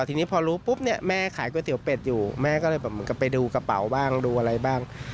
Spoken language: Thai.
ทีนี้พอรู้ปุ๊บแม่ขายก๋วยเตี๋ยวเป็ดอยู่แม่ก็เลยแบบไปดูกระเป๋าบ้างดูอะไรบ้าง